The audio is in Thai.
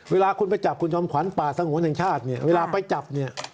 เวลาคุณไปจับคุณยอมขวานป่าสังหวนแห่งชาติเวลาไปจับ